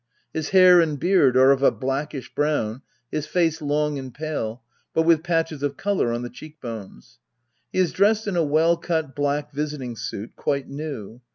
His hair and heard are of a blackish brown, his face long and pale, but with patches of colour on the cheek bojies. He is dressed in a well aU black visiting suit, quite new.